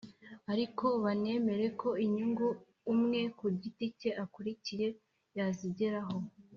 ariko banemera ko inyungu umwe ku giti cye akurikiye yazigeraho